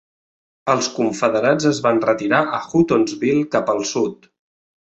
Els confederats es van retirar a Huttonsville, cap al sud.